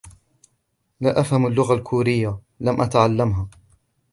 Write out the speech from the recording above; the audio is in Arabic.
لا أفهم اللغة الكورية ، لم أتعلمها.